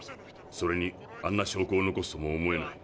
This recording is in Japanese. それにあんな証拠を残すとも思えない。